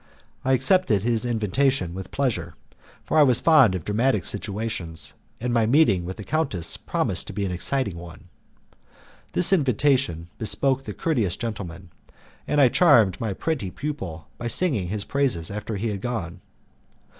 I accepted his invitation with pleasure, for I was fond of dramatic situations, and my meeting with the countess promised to be an exciting one. This invitation bespoke the courteous gentleman, and I charmed my pretty pupil by singing his praises after he had gone.